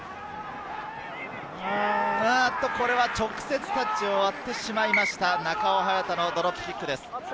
これは直接タッチを割ってしまいました中尾隼太のドロップキックです。